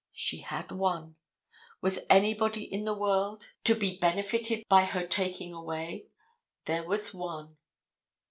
She had one. Was anybody in the world to be benefitted by her taking away? There was one.